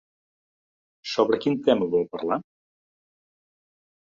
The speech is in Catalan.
Sobre quin tema vol parlar?